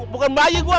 bukan bayi gue